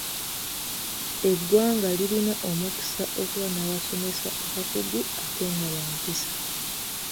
Eggwanga lirina omukisa okuba n'abasomesa abakugu ate nga ba mpisa.